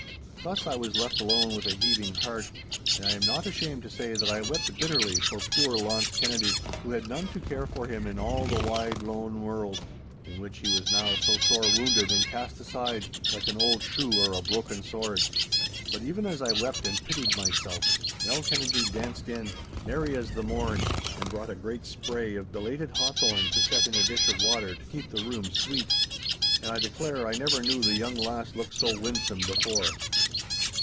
Thus I was left alone with a heaving heart. And I am not ashamed to say that I wept bitterly for poor Launce Kennedy, who had none to care for him in all the wide lone world, in which he was now so sore wounded and cast aside like an old shoe or a broken sword. But even as I wept and pitied myself, Nell Kennedy danced in, merry as the morn, and brought a great spray of belated hawthorn to set in a dish of water to keep the room sweet. And I declare I never knew the young lass look so winsome before.